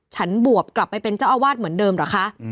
บวบกลับไปเป็นเจ้าอาวาสเหมือนเดิมเหรอคะ